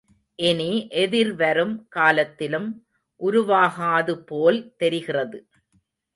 இனி எதிர்வரும் காலத்திலும் உருவாகாதுபோல் தெரிகிறது.